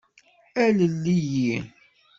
Alel-iyi.